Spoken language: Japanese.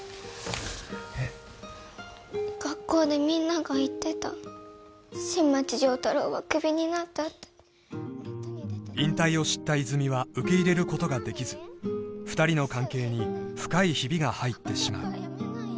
えっ学校でみんなが言ってた新町亮太郎はクビになったって引退を知った泉実は受け入れることができず２人の関係に深いヒビが入ってしまう